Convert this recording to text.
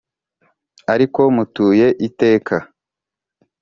ari ko mutuye iteka